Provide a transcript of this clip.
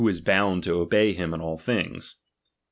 is bound to obey bim in all things.